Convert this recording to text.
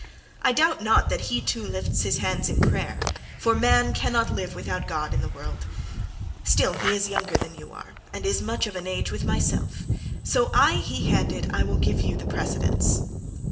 I doubt not that he too lifts his hands in prayer, for man cannot live without God in the world. Still he is younger than you are, and is much of an age with myself, so I will give you the precedence."